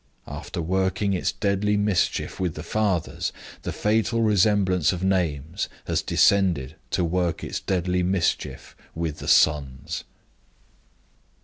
After working its deadly mischief with the fathers, the fatal resemblance of names has descended to work its deadly mischief with the sons.